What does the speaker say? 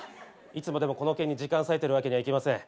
いつまでもこの件に時間割いてるわけにはいきません。